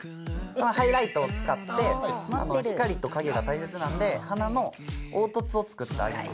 ハイライトを使って光と影が大切なので鼻の凹凸を作ってあげます。